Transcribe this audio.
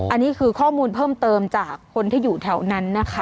อันนี้คือข้อมูลเพิ่มเติมจากคนที่อยู่แถวนั้นนะคะ